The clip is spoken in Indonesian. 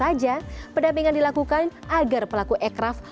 saja pendampingan dilakukan agar pelaku ekraf